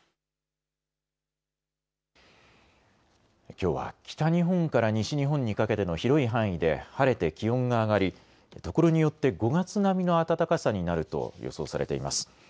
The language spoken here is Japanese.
きょうは北日本から西日本にかけての広い範囲で晴れて気温が上がりところによって５月並みの暖かさになると予想されています。